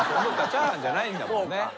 チャーハンじゃないんだもんね。